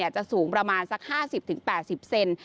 จะสูงประมาณสัก๕๐๘๐เซนติเมตร